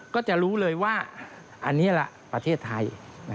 ก็จะรู้เลยว่าอันนี้ล่ะประเทศไทย